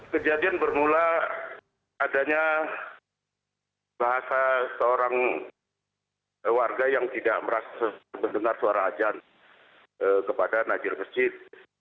kejadian bermula adanya bahasa seorang warga yang tidak merasa mendengar suara ajan kepada najir masjid